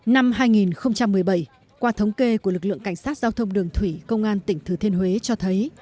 năm hai nghìn một mươi bảy qua thống kê của lực lượng cảnh sát giao thông đường thủy công an tỉnh thừa thiên huế cho thấy